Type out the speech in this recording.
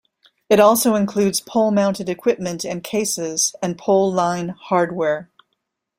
It also includes pole-mounted equipment and cases, and pole-line hardware.